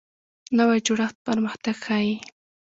نوی جوړښت پرمختګ ښیي